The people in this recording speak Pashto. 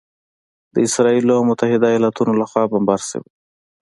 د اسراییل او متحده ایالاتو لخوا بمبار شوي